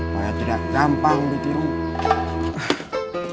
pak ya tidak gampang dikirim